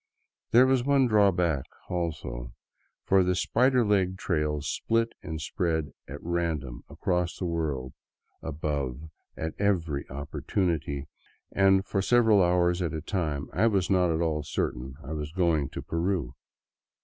There was one drawback, also; for the spider leg trails split and spread at random across the world above at every opportunity, and for several hours at a time I was not at all certain I was going to Peru.